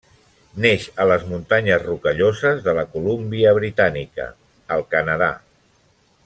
Neix a les Muntanyes Rocalloses de la Colúmbia Britànica, al Canadà.